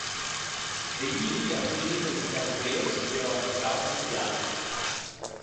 Vegni, jeu cuschinel in pèr bulius che jeu hai anflau sin viadi.